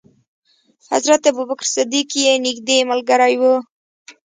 حضرت ابو بکر صدیق یې نېږدې ملګری و.